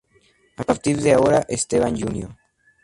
A partir de ahora, Esteban Jr.